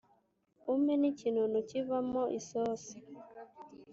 Umpe n'ikinono kivamo isosi."